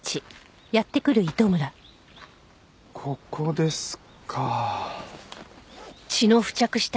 ここですか。